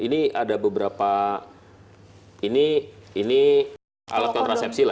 ini ada beberapa ini alat kontrasepsi lah